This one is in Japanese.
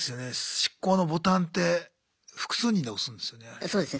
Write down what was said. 執行のボタンって複数人で押すんですよね。